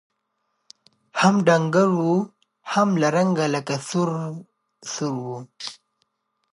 هم ډنګر وو هم له رنګه لکه سکور وو